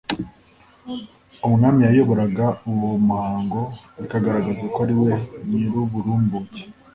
umwami yayoboraga uwo muhango bikagaragaza ko ariwe nyiruburumbuke